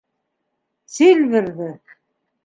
— Сильверҙы!